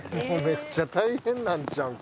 めっちゃ大変なんちゃうん？